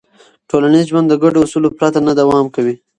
ټولنیز ژوند د ګډو اصولو پرته نه دوام کوي.